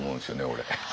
俺。